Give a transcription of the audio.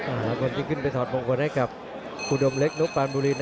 อาวุ่นที่กินไปถอดมงค์ก่อนให้กับอุดมเล็กนุปานบุรี